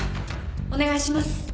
お願いします。